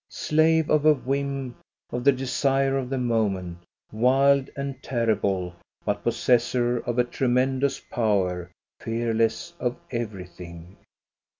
Slave of a whim, of the desire of the moment, wild and terrible, but possessor of a tre mendous power, fearless of everything.